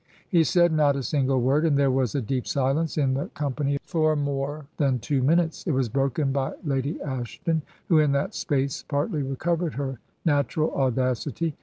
... He said not a single word, and there was a deep silence in the com pany for more than two minutes. It was broken by Lady Ashton, who in that space partly recovered her natural audacity.